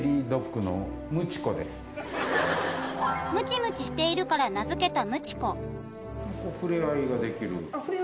ムチムチしているから名付けた。